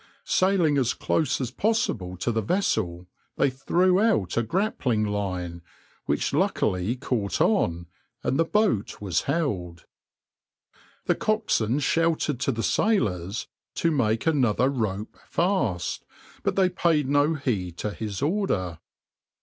Sailing as close as possible to the vessel, they threw out a grappling line, which luckily caught on, and the boat was held. The coxswain shouted to the sailors to make another rope fast, but they paid no heed to his order.